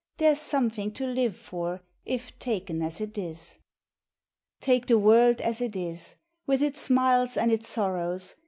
There's something to live for, if ta?eu as it is. Take the world as it is! — with its smiles and its sorrows.